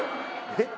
えっ？